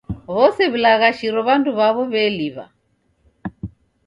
W'ose w'ilaghashiro W'andu w'aw'o w'eliw'a.